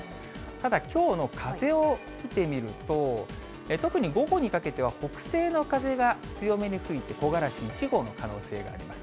ただ、きょうの風を見てみると、特に、午後にかけては北西の風が強めに吹いて、木枯らし１号の可能性があります。